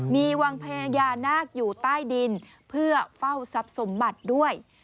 มีวังพญานาคอยู่ใต้ดินเพื่อเฝ้าทรัพย์สมบัติด้วย